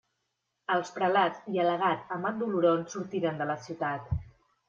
Els prelats i el legat Amat d'Oloron sortiren de la ciutat.